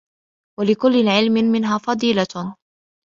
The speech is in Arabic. وَلِكُلِّ عِلْمٍ مِنْهَا فَضِيلَةٌ